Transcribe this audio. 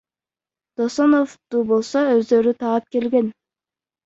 Досоновду болсо өздөрү таап келген.